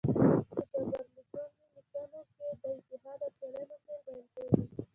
په ډبرلیکونو کې د اتحاد او سیالۍ مسایل بیان شوي دي